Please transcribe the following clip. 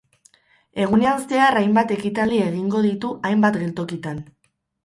Egunean zehar hainbat ekitaldi egingo ditu hainbat geltokitan.